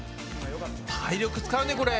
体力使うねこれ！